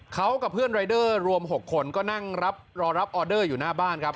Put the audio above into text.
เขากับเพื่อนรายเดอร์รวม๖คนก็นั่งรับรอรับออเดอร์อยู่หน้าบ้านครับ